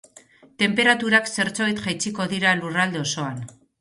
Tenperaturak zertxobait jaitsiko dira lurralde osoan.